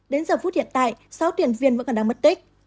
đến giờ phút hiện tại sáu thuyền viên vẫn còn đang mất tích